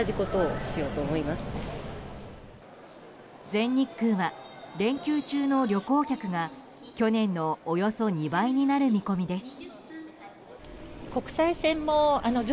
全日空は連休中の旅行客が去年のおよそ２倍になる見込みです。